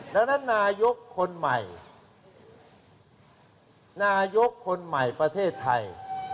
ดังนั้นนายกคนใหม่นายกคนใหม่ประเทศไทย